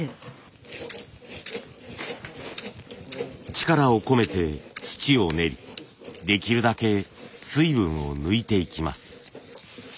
力を込めて土を練りできるだけ水分を抜いていきます。